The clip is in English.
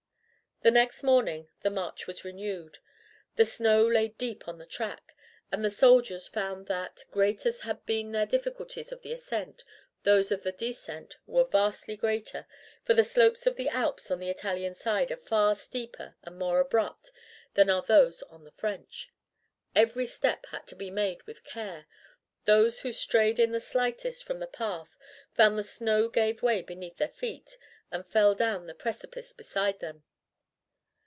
The next morning the march was renewed. The snow lay deep on the track, and the soldiers found that, great as had been the difficulties of the ascent, those of the descent were vastly greater, for the slopes of the Alps on the Italian side are far steeper and more abrupt than are those on the French. Every step had to be made with care; those who strayed in the slightest from the path found the snow gave way beneath their feet and fell down the precipice beside them.